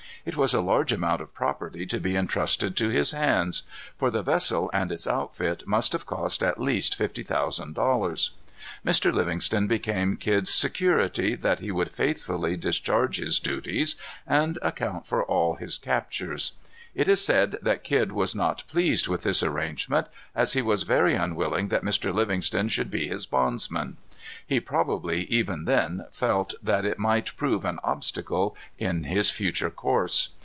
It was a large amount of property to be intrusted to his hands; for the vessel and its outfit must have cost at least fifty thousand dollars. Mr. Livingston became Kidd's security that he would faithfully discharge his duties and account for all his captures. It is said that Kidd was not pleased with this arrangement, as he was very unwilling that Mr. Livingston should be his bondsman. He probably, even then, felt that it might prove an obstacle in his future course.